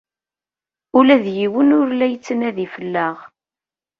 Ula d yiwen ur la yettnadi fell-aɣ.